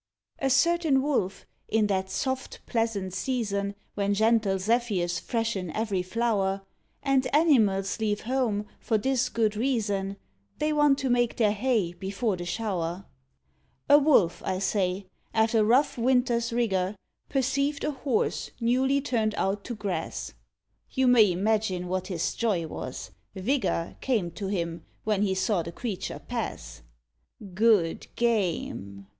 A certain Wolf, in that soft, pleasant season, When gentle zephyrs freshen every flower, And animals leave home, for this good reason They want to make their hay before the shower: A Wolf, I say, after rough winters rigour, Perceived a Horse newly turned out to grass. You may imagine what his joy was. Vigour Came to him, when he saw the creature pass. "Good game!"